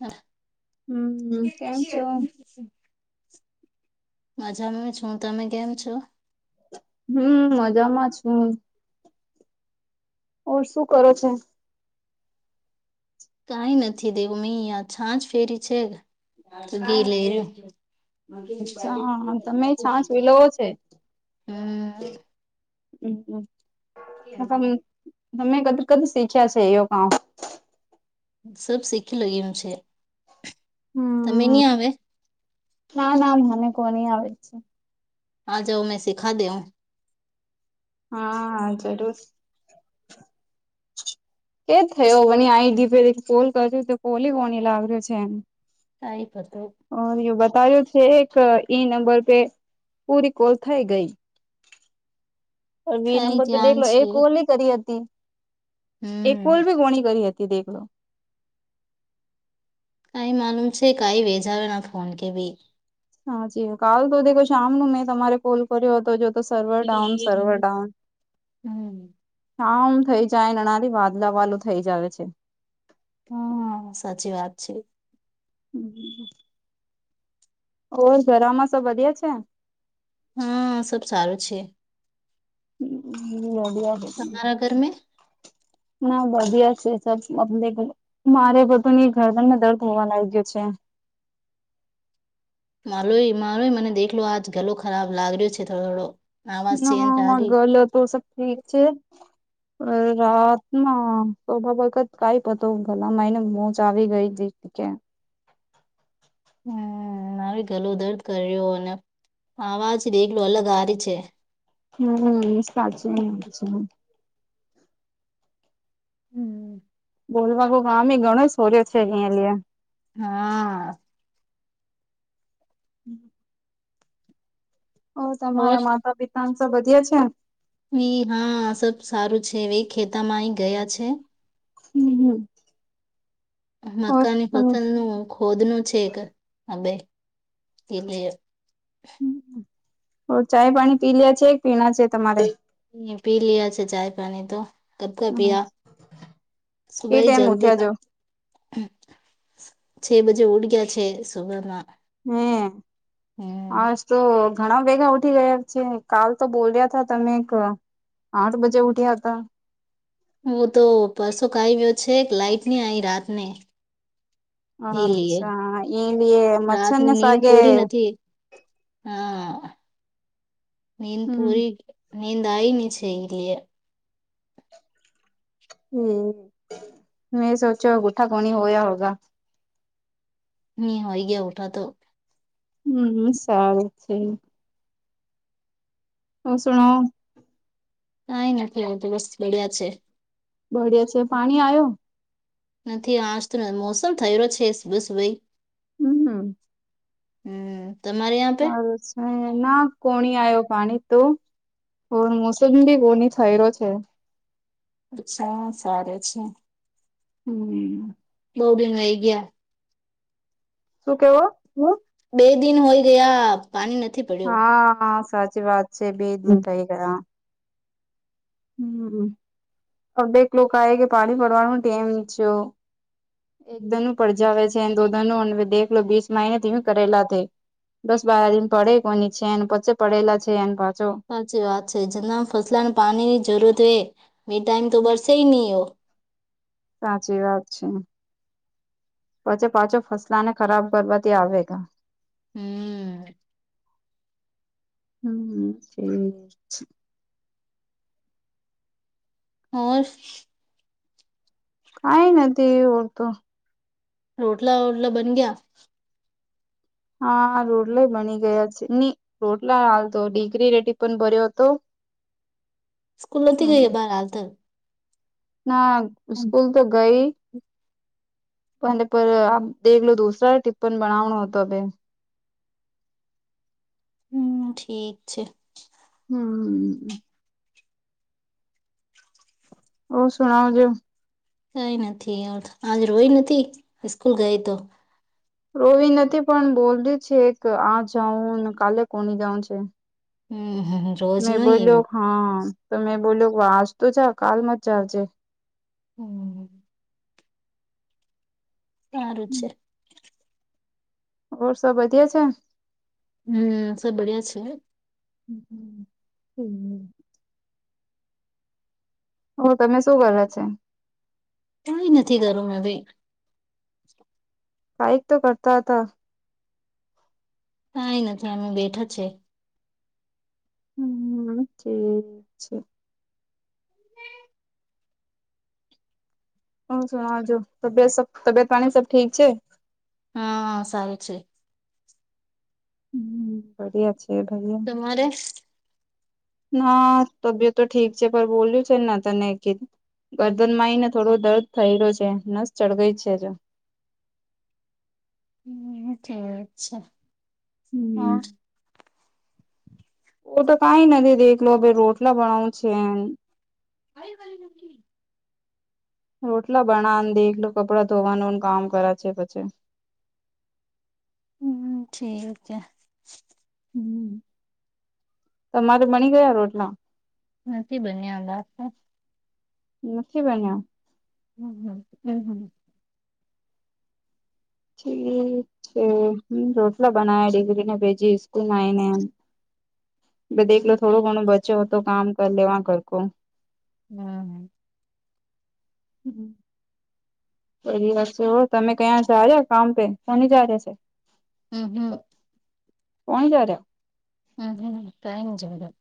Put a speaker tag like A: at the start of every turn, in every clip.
A: હા
B: હું હું કેમ છો?
A: મજામાં છું હું તમે કેમ છો.
B: હું મજામાં છું. ઓર શું કરો છો
A: કઈ નથી દેવું મે અહ છાંજ ફેરી છે ઘી લે રહ્યું હમ્મ.
B: અચ્છા તમે છાસ વિલોવો છે હમ્મ, તમે કદ કદ શીખ્યા છે યો કા?
A: સબ શીખી લયુ છે તમે
B: હમ
A: ની આવે.
B: ના ના મને કોની આવે છે.
A: આ જાઓ મેં સીખા દે હું
B: હા હા જરૂર એજ થયો આઈડીે કોલ કરું તો કોલી કોની લાગ્યો છે એમ
A: કઈ પતો
B: બતાવ્યો છે એક એઈ નંબર પે પૂરી કોલ થઈ ગઈ. વી
A: કઈ
B: નંબર પે
A: ધ્યાન
B: દેખલો લો
A: છે
B: એક ઓલ કરી હતી. એક
A: હમ
B: કોલ બી કોણી કરી હતી દેખલો.
A: કઈ માલુમ છે કઈ વેચાયુંના ફોન કે ભી.
B: હા જી કાલ તો દેખો શામનું મેં તમારે કોલ કર્યો હતો જો. તો સર્વર ડાઉન, સર્વર ડાઉન.
A: હમ
B: આમ થઇ જાય ના નારી વાદલા વાલું થઇ જવે છે.
A: હમ્મ, સાચી વાત છે.
B: હમ ઓર ઘરામાં સબ વધ્યા છે?
A: હમ્મ, સબ સારું છે.
B: [unintelligible]
A: તમારા ઘર મે?
B: ના વધધિયા છે સબ મગને. મારે બધું ની ઘરબર માં દર્દ હોવા લાગ્યો છે.
A: માલોય માલોય મને દેખલો આજ ગલો ખરાબ લાગ્યો છે થોડો થોડો. આવાજ ચેન્જ આ રહી
B: હગલ તો સબ ઠીક છે? રાતમાં સોભા વખત કઈ હતો ભલા મા એને મોજ આવી ગઈ હતી. કે
A: હમ્મ, આવી ગલો દર્દ કર્યો અને આવાજ એકલું અલગ હારી છે.
B: હમ્મ સચિ મુક છે.
A: હમ્મ.
B: બોલવા કો આામ ઘણો સોર્યો છે અહીયા લ.
A: હા.
B: હમ્મ. ઓ
A: ઓર
B: તમારા માતા પિતાને તો વધી છે ને?
A: એ હા સબ સારું છે ખેતામાં અ ગયા છે.
B: હમ્મ હમ્મ.
A: મકાની
B: તમે
A: પસંદ નું ખોદ નું છે કે હ બેાઈ એટલે.
B: ચાય પાણી પી લ્યા છે કે પીણા છે તમારે?
A: પી લિયા છે ચાય પાણી તો કબ કા પિયા.
B: કે
A: સુભાઈ
B: ટાઈમ
A: જલ્દ.
B: ઉઠ્યા જો
A: છે બજે ઉડ ગયા છે સુભમાં.
B: હમ્મ, આજ તો ઘણા ભેગા ઉઠી ગયા છે કાલ તો બોલ્યા તા તમે એક આઠ બજે ઉઠ્યા હતા.
A: હું તો પરસો ખાઈ ગ્યો છે લાઈટ ને આવીઈ રાતને. એ લે
B: અચ્છા એ લીએ મચ્છર ને
A: રાતની નીંદ
B: સાગે
A: પૂરી નથી. હા મે
B: હમ
A: પોરી મે દાયની છેલે.
B: હમ્મ, મે સોચ્યો અ ગુઠા કોણી હોયા હોગ.
A: હોય ગયા ઉઠા તો.
B: હમ્મ, સારું છે. હ શુંણો
A: કઈ નથી આવતું બસ બડિયા છે
B: બઢિયા છે પાણી આવ્યો?
A: નથી આજ તો મોસમ થયે રયો છે સુ સુભાઈ.
B: હમ્મ.
A: હમ્મ.
B: સારું છે. હ ના કોણી આવ્યો પાણી તો કો મોસમ બી કોણી થય્યો છે
A: અચ્છા સાર છે
B: હમ
A: બહુડંગઈ ગયા
B: શું કેવો
A: હ બે દિન હોય ગયા પાણી નથી પડ્યો
B: હા સાચી વાત છે બે દિન થઈ ગયા હમ હ બેક લોકો આ કે પાણી ભડવાનું ટેમ છ એક ધન પડજાવે છે દોધન દેખલો બીસ માિનેથીમે કરેલા થ દસ બાર દિન પડે કોની છે પછે પડેલા છે પાછો
A: સાચી વાત છે જતા ફસલાણ પાણીની જરૂરત હોય બે ટાઈમ તો બરસે નહી હો
B: સાચી વાત છે પછી પાછો ફસલાને ખરાબ કરવાથી આવેગ
A: હમ
B: હમ સ છે
A: હ
B: કઈ ના તે ઓળત
A: રોટલા ઓોટલા બન ગયા
B: હા રોટલાય બની ગયા છે હી રોટલા હાલ તો ડડીગરી રેટી પણ ભર્યો હતો
A: સ્કૂલ નથીથી ગઈએ બાર હાલ તો
B: ના સ્કૂલ તો ગઈ પણ દેખલો દોસરા ટિપપન બનાવણ હતો હવે
A: હમ ઠીક છે
B: હમ હ શણાવ જો
A: કઈ નથી આજ રોય નથી સ્કૂલ ગઈ તો
B: રોવી નથી પણ બોલતી છે કે આ જાઉં કાલે કોની જાઉં છે
A: હમ હમ રોજ
B: મેં
A: નહી
B: બોલ્યો
A: એવું
B: હા તો મેં બોલ્યો વાંજ તો જા કાલ મ જ જજે
A: હમ સારું છે
B: ઓર સ વધધિયા છે
A: હમ સબ બળિયા છે
B: હ હમ હમ હ તમે શું કરો છે
A: કય નથી કરું મે ભી
B: કઈક તો કરતા હતા
A: કંઈ નથી એમે બેઠા જ છે
B: હમ ઠી છે હ શણ છું તબિયત સબ તબિયત પાણી સબ ઠીક છે
A: હાા સારું છે
B: હમ્મ બળિયા છે ભૈયા.
A: તમારે
B: ના તબિયત તો ઠીક છે પણ બોલ્યું છે ના તને કી. ગરદન માં આવી ને થોડો દર્દ થયેલો છે નસ ચળગઈ જ છે જો
A: હમ ઠીક છે
B: હમ
A: હ
B: ઓ તો કઈ નથી દેખલો ભાઈ રોટલા બનાવું છે એમ
A: કઈવા નલી
B: રોટલા બના દે એકલું કપડા ધોવાનું કામ કરે છે પછી
A: હમ્મ ઠીકે.
B: હ તમારે બની ગયા રોટલા.
A: નથી બન્યા બા.
B: નથી બન્યા.
A: હમ્મ હમ્મ.
B: રોટલા બનાવે ડિગ્રીને ભેજી સ્કૂલમાં આવીનેમ દેખલો થોડો ઘણો બચ્યો હતો કામ કરી લેવા ઘરકો.
A: હમ્મ હ.
B: હમ્મ. બ વાત હો તમે ક્યાયા જા રહ્યા કામ પે કની જાર છે.
A: [unintelligible]
B: કોણી જા રહ.
A: [unintelligible]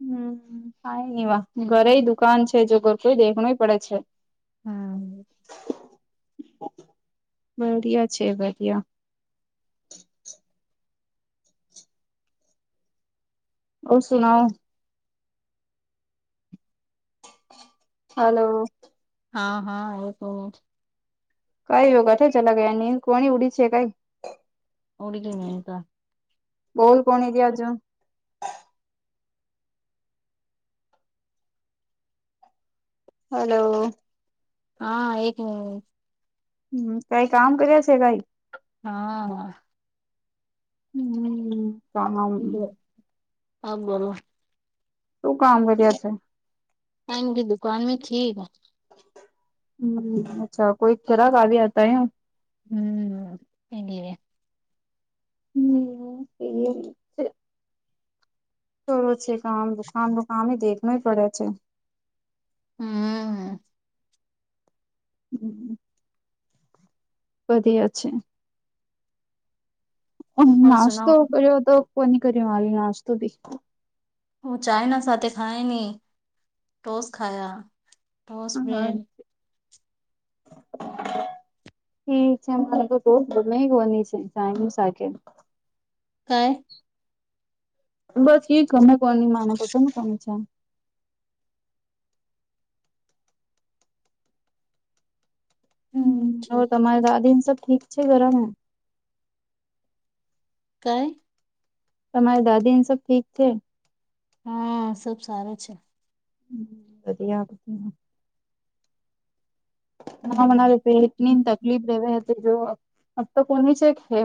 B: હમ્મ કઈ નઈ વા ઘરે દુકાન છે જો ઘર કોઈ દેખણુંય પડે છે.
A: હમ
B: બિયા છે બધિયા ઓ સુનાઓ. હલો.
A: હા હા બોલો.
B: કઈ એ કઠ ચલા ગની કોની ઉડી છે કઈ.
A: ઓડી [inaudible]
B: બોલ કોણ એ જ હજો. હલો.
A: હા એક મિનિટ.
B: હમ્મ કઈ કામ કર્યા છે કઈ?
A: હા.
B: હમ્મ હમ્મ.
A: હ આ બોલો.
B: તું કામ કરી છે.
A: હંગ ગી દુ કણ મીથીીગ.
B: હમ અચ્છા કોઈ ઘરાક આવી આતા હ.
A: હમ્મ હેંગવી.
B: હમ્મ એટલે ચોલો છે કામ દ કામ દ કામ દેખાણો પડે છે.
A: હમ્મ.
B: હમ્મ. બળિયા છે. નાસ્તો કર્યો તો કોની કર્યો મારે નાસ્તોથી?
A: હ ચાઈના સાથે ખાય નને ટોસ ખાયા ટોસ બ્રેડ.
B: હ. ઠીક છે મને તો બહ ગમેની છે ચા સાથે.
A: કઈ?
B: બસ એ ગમે કોણ ન માને તો ત ને કોને છે. હ તમારી દાદી સબ ઠીક છે ગરા
A: કાઈ
B: તમારે દાદી એન સબ ઠીક છે
A: હા સબ સારું છે.
B: હ વધધિયા પછ. હા મના
A: હમ
B: એની તકલીફ રહેેવે હતી જો અ તો કોની છેે હે.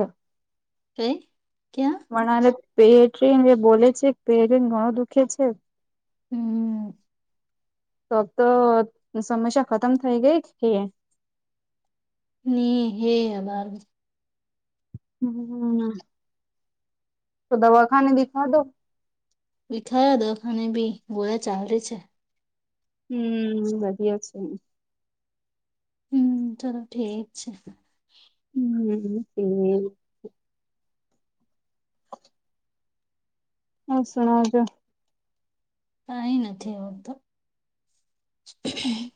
A: કઈ ક્યાં.
B: મ પેટરીન એ બોલે છે પેટરીન ઘણો દુખે છે.
A: હમ્મ.
B: ફક્ તો સમસ્યા ખતમ થઇ ગઈ
A: ની હે આ બાર
B: હમ હમ તો દવાખાને થી ખાદો
A: વિખારા દખાને બી ગોળા ચાલલે છે
B: હમ વધધિયા છે.
A: હમ ચલો ઠીક છે.
B: હમ હમ સુણવજો
A: કઈ નથી આવડત
B: હમ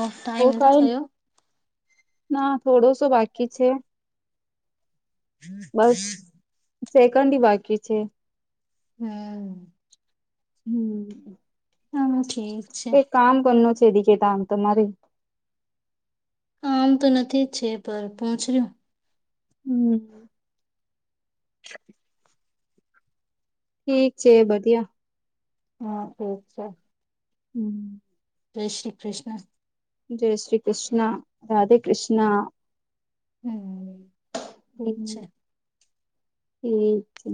A: ઓ ટાઈમ એ તો થયો
B: ના થોડોસો બાકી છે બસ સેકન્ડ બાકી છે.
A: હમ
B: હમ
A: હા ઠીક છે
B: એક કામ બ ન છે દ કેતામ તમારે
A: આમ તો નથી જ છે. પર પહચ્યું.
B: હમ
A: [unintelligible]
B: ઠીક છે. બધિયા
A: હમ ઠીક છે.
B: હમ
A: જય શ્રી કૃષ્ણ.
B: જય શ્રી કૃષ્ણ, રાધે કૃષ્ણ
A: હમ અચ્છા
B: ઠીક છે.